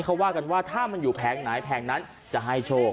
เขาว่ากันว่าถ้ามันอยู่แผงไหนแผงนั้นจะให้โชค